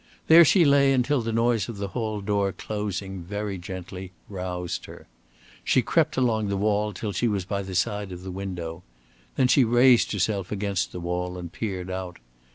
There she lay until the noise of the hall door closing very gently roused her. She crept along the wall till she was by the side of the window. Then she raised herself against the wall and peered out.